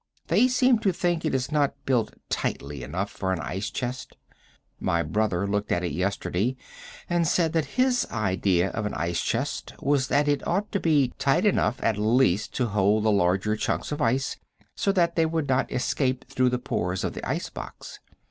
They seem to think it is not built tightly enough for an ice chest. My brother looked at it yesterday, and said that his idea of an ice chest was that it ought to be tight enough at least to hold the larger chunks of ice so that they would not escape through the pores of the ice box.